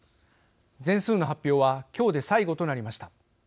全数の発表は今日で最後となりました。